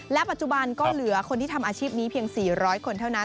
ปัจจุบันก็เหลือคนที่ทำอาชีพนี้เพียง๔๐๐คนเท่านั้น